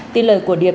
tuy lời của điệp